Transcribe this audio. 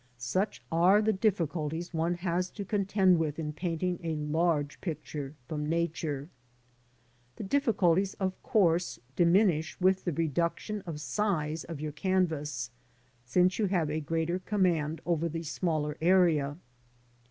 Such are the difficulties one has to contend with in painting a large picture from Nature. The diffi culties, of course, diminish with the reduction of size of your canvas, since you have a greater command over the smaller area.